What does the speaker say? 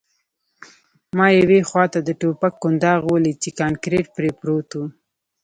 ما یوې خواته د ټوپک کنداغ ولید چې کانکریټ پرې پروت و